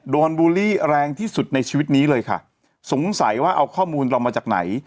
บูลลี่แรงที่สุดในชีวิตนี้เลยค่ะสงสัยว่าเอาข้อมูลเรามาจากไหน